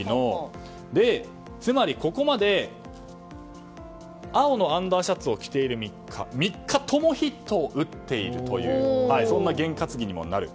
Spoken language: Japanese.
つまり、ここまで青のアンダーシャツを着ている３日ともヒットを打っているという験担ぎにもなる。